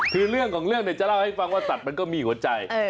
คือเรื่องของเรื่องเนี่ยจะเล่าให้ฟังว่าสัตว์มันก็มีหัวใจ